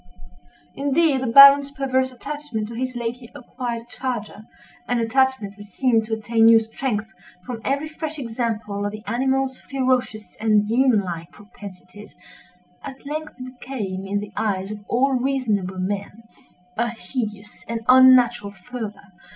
Indeed, the Baron's perverse attachment to his lately acquired charger—an attachment which seemed to attain new strength from every fresh example of the animal's ferocious and demon like propensities—at length became, in the eyes of all reasonable men, a hideous and unnatural fervor.